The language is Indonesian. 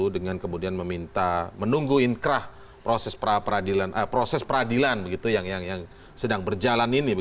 dengan kemudian meminta menunggu inkrah proses peradilan begitu yang sedang berjalan ini